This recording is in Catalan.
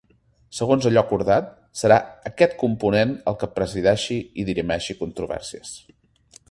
Segons allò acordat, serà “aquest component el que presideixi i dirimeixi controvèrsies”.